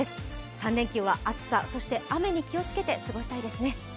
３連休は暑さそして雨に気をつけて過ごしたいですね。